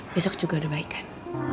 besok juga ada baikan